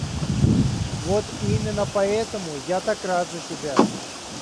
Вот именно поэтому я так рад за тебя.